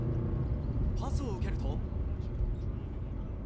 パスを受けると。